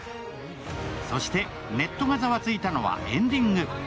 そして、ネットがざわついたのはエンディング。